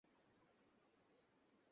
তিনি সে নির্দেশ প্রত্যাখ্যান করেন।